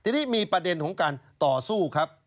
ทีนี้มีประเด็นของการต่อสู้ครับ